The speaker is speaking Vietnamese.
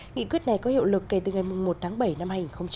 nghị quyết này có hiệu lực kể từ ngày một tháng bảy năm hai nghìn hai mươi